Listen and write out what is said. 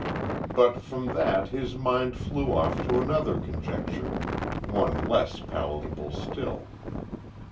But from that his mind flew off to another conjecture one less palatable still.